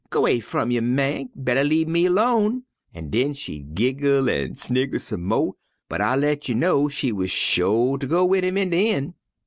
g'way f'um yer, man! better lemme 'lone!' an' den she'd giggle an' snicker some mo', but I let you know she wuz sho' ter go wid him in de een'.